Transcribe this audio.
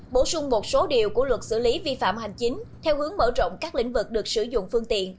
bổ sung một số điều của luật xử lý vi phạm hành chính theo hướng mở rộng các lĩnh vực được sử dụng phương tiện